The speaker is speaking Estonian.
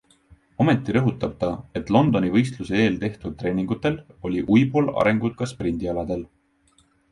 Ometi rõhutab ta, et Londoni võistluse eel tehtud treeningutel oli Uibol arengut ka sprindialadel.